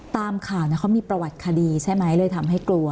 ตามข่าวเขามีประวัติคดีใช่ไหมเลยทำให้กลัว